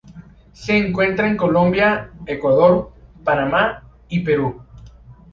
Se encuentra en Colombia, Ecuador, Panamá y Perú.